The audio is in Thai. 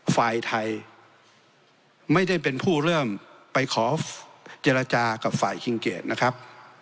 ฝ่ายไทยไม่ได้เป็นผู้เริ่มไปขอเจรจากับฝ่ายคิงเกดนะครับ